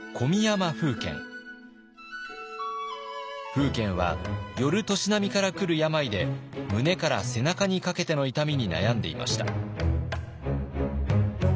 楓軒は寄る年波から来る病で胸から背中にかけての痛みに悩んでいました。